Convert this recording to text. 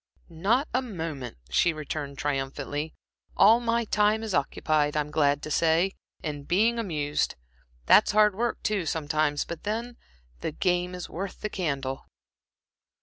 "Not a moment," she returned, triumphantly. "All my time is occupied, I'm glad to say, in being amused. That's hard work, too, sometimes, but then the game is worth the candle."